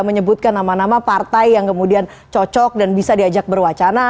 menyebutkan nama nama partai yang kemudian cocok dan bisa diajak berwacana